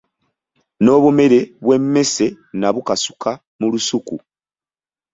N’obumere bw’emmese n’abukasuka mu lusuku.